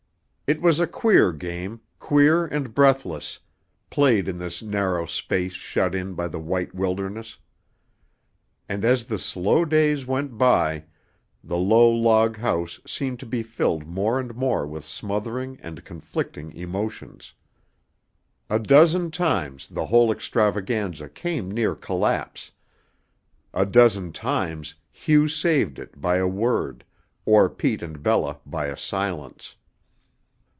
It was a queer game, queer and breathless, played in this narrow space shut in by the white wilderness. And as the slow days went by, the low log house seemed to be filled more and more with smothered and conflicting emotions. A dozen times the whole extravaganza came near collapse; a dozen times Hugh saved it by a word, or Pete and Bella by a silence.